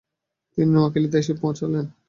তিনি নোয়াখালীতে এসে পৌঁছান।